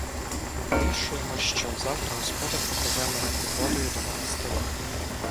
Вирішуємо, що завтра господар відвезе мене підводою до монастиря.